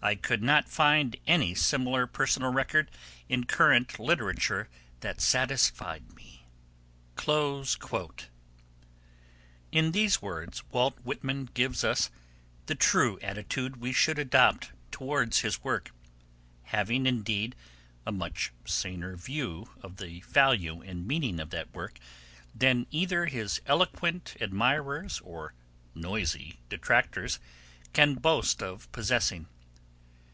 I could not find any similar personal record in current literature that satisfied me.' In these words Walt Whitman gives us the true attitude we should adopt towards his work, having, indeed, a much saner view of the value and meaning of that work than either his eloquent admirers or noisy detractors can boast of possessing.